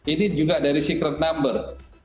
ini juga dari secret number